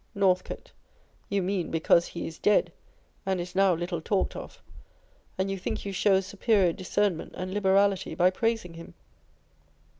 Northcofe. You mean, because he is dead, and is now little talked of; and you think you show superior discern ment and liberality by praising him.